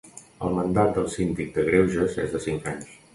El mandat del Síndic de Greuges és de cinc anys.